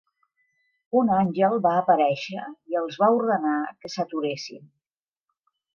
Un àngel va aparèixer i els va ordenar que s'aturessin.